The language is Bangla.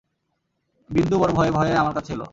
বিন্দু বড়ো ভয়ে ভয়ে আমার কাছে এল।